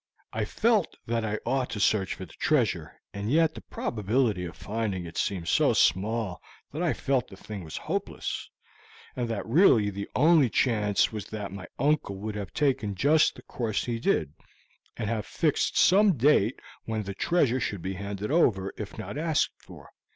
I felt that I ought to search for the treasure, and yet the probability of finding it seemed so small that I felt the thing was hopeless, and that really the only chance was that my uncle would have taken just the course he did, and have fixed some date when the treasure should be handed over, if not asked for.